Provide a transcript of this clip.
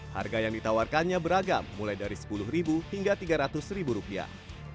harga yang ditawarkannya beragam mulai dari sepuluh hingga tiga ratus ribu rupiah